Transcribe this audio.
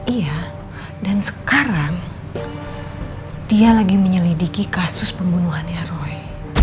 iya dan sekarang dia lagi menyelidiki kasus pembunuhannya roy